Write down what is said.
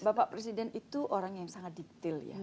bapak presiden itu orang yang sangat detail ya